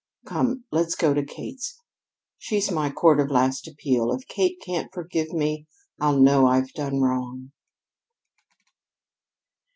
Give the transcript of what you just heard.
Come, let's go to Kate's. She's my court of last appeal. If Kate can't forgive me, I'll know I've done wrong."